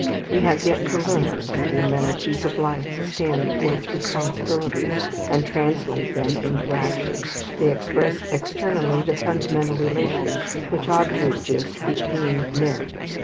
We have yet to learn that the amenities of life stand for its responsibilities, and translate them into action. They express externally the fundamental relations which ought to exist between men.